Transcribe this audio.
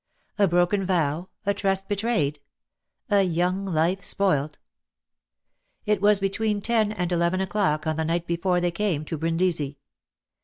A broken vow, a trust betrayed, a young life spoilt. It was between ten and eleven o'clock, on the night before they came to Brindisi.